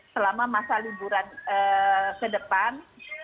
selama masa liburan ke depan